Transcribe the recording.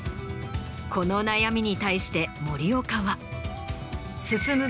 この悩みに対して森岡は。